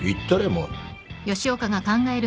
もう。